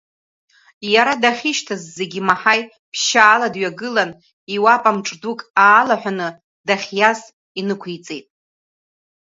Иара дахьышьҭаз зегь имаҳаи, ԥшьаала дҩагылан, иуапа мҿ-дук аалаҳәаны, дахьиаз инықәиҵеит.